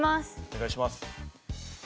お願いします。